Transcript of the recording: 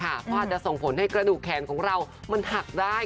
เพราะอาจจะส่งผลให้กระดูกแขนของเรามันหักได้